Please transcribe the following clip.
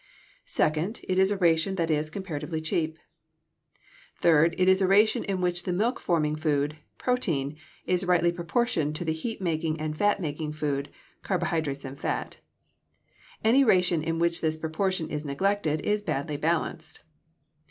Second, it is a ration that is comparatively cheap. Third, it is a ration in which the milk forming food (protein) is rightly proportioned to the heat making and fat making food (carbohydrates and fat). Any ration in which this proportion is neglected is badly balanced.